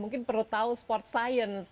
mungkin perlu tahu sport science